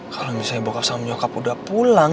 kalau misalnya bokap sama nyokap udah pulang